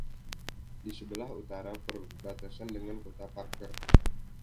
Di sebelah utara berbatasan dengan kota Parker.